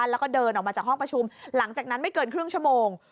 แล้วก็เดินออกมาจากห้องประชุมหลังจากนั้นไม่เกินครึ่งชั่วโมง